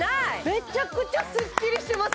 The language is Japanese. めちゃくちゃスッキリしてます！